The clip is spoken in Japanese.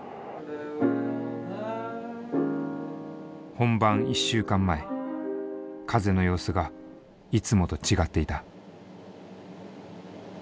本番１週間前風の様子がいつもと違っていた。